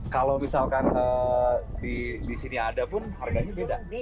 kalau misalkan di sini ada pun harganya beda